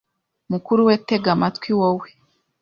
mukuru we tega amatwi wowe